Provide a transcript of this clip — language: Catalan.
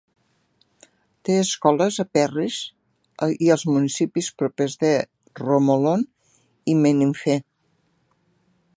Té escoles a Perris i als municipis propers de Romoland i Menifee.